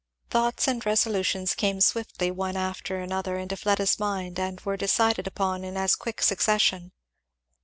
Thoughts and resolutions came swiftly one after another into Fleda's mind and were decided upon in as quick succession.